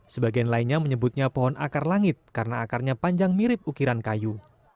sebagian lainnya menyebutnya pohon akar langit karena akarnya panjang mirip ukiran kayu